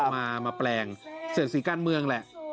มาแปลงเศรษฐีการเมืองแหละ